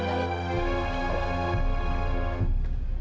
jadi lu pikir fadil masih punya hatimu liat